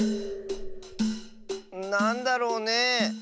なんだろうねえ。